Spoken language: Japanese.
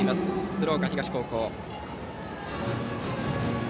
鶴岡東高校。